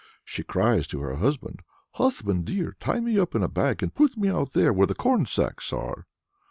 she cries to her husband. "Husband dear! tie me up in a bag, and put me out there where the corn sacks are."